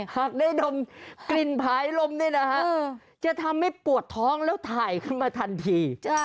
หากได้ดมกลิ่นพายลมเนี่ยนะฮะจะทำให้ปวดท้องแล้วถ่ายขึ้นมาทันที